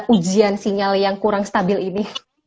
ujian sinyal yang kurang stabil ini